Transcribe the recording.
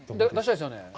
出したいですよね。